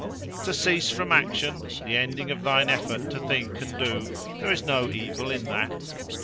"To cease from action—the ending of thine effort to think and do: there is no evil in that.